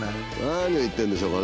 何を言ってるんでしょうかね